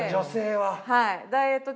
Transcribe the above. はい。